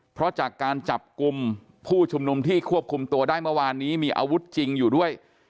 เพราะจากการจับกลุ่มผู้ชุมนุมที่ควบคุมตัวได้เมื่อวานนี้มีอาวุธจริงอยู่ด้วย